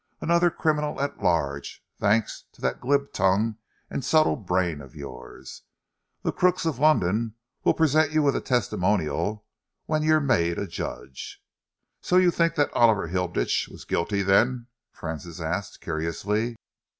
Another criminal at large, thanks to that glib tongue and subtle brain of yours. The crooks of London will present you with a testimonial when you're made a judge." "So you think that Oliver Hilditch was guilty, then?" Francis asked curiously.